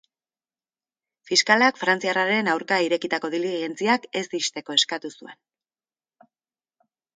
Fiskalak, frantziarraren aurka irekitako diligentziak ez ixteko eskatu zuen.